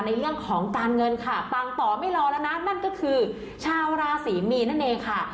ในเรื่องของการเงินค่ะปังต่อไม่รอแล้วนะนั่นก็คือชาวราศรีมีนนั่นเองค่ะ